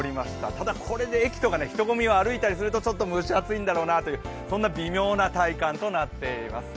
ただこれで駅とか人混みを歩いたりするとちょっと蒸し暑いんだろうなというそんな微妙な体感となっています。